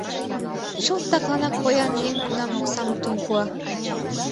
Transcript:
Чылт такланак поян еҥ кунам оксам луктын пуа!